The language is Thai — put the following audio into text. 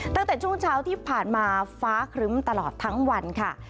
ตั้งแต่ช่วงเช้าที่ผ่านมาฟ้าครึ้มตลอดทั้งวันค่ะ